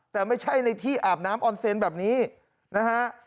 แต่ไม่ใช่ในที่อาบน้ำออนเซนต์แบบนี้นะฮะ